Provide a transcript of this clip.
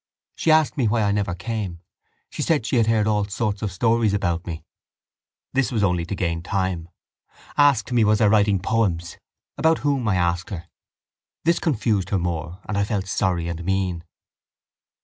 She asked me why I never came, said she had heard all sorts of stories about me. This was only to gain time. Asked me was I writing poems? About whom? I asked her. This confused her more and I felt sorry and mean.